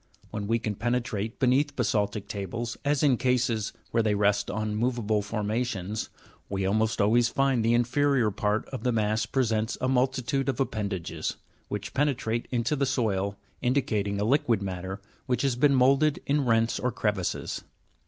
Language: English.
When we can penetrate beneath basa'ltic tables, as in cases where they rest on moveable forma tions, we almost always find the in ferior part of the mass presents a multitude of appendages (fig. 276), which penetrate into the soil, indi cating a liquid matter that has been moulded in rents or crevices.